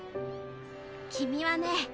君はね